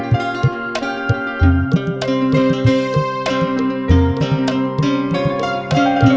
tapi nangis dia berusaha alami